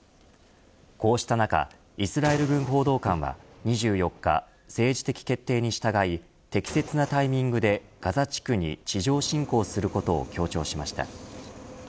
こうした中イスラエル軍報道官は２４日政治的決定に従い適切なタイミングでガザ地区に地上侵攻することを強調しました。